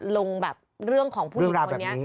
ลงแบบเรื่องของผู้หญิงคนนี้